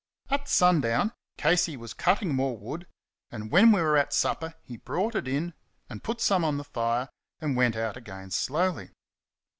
At sundown Casey was cutting more wood, and when we were at supper he brought it in and put some on the fire, and went out again slowly.